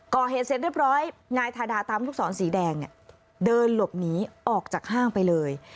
ก่อเหตุเสร็จเรียบร้อยนายทาดาตามลูกศรสีแดงเนี่ยเดินหลบหนีออกจากห้างไปเลย